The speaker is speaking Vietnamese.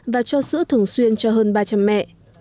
và cho sữa thường xuyên cho hơn ba trăm linh mẹ